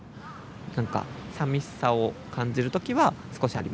なんかさみしさを感じる時は少しありますね。